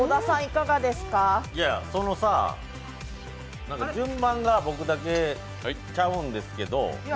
いや、順番が僕だけちゃうんですけど。